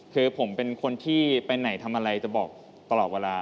คือผมเป็นคนที่ไปไหนทำอะไรจะบอกตลอดเวลา